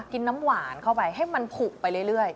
น้ำหวานเข้าไปให้มันผูกไปเรื่อย